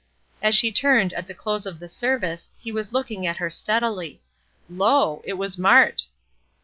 As she turned at the close of the service he was looking at her steadily. Lo! it was Mart.